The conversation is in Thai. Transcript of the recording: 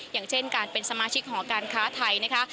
อย่างเช่นการเป็นสมาชิกหอการค้าไทยนะคะ